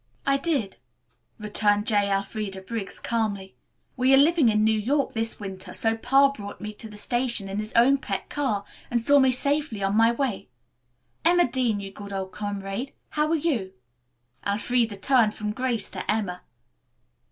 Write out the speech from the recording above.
"I did," returned J. Elfreda Briggs calmly. "We are living in New York this winter, so Pa brought me to the station in his own pet car and saw me safely on my way. Emma Dean, you good old comrade, how are you?" Elfreda turned from Grace to Emma.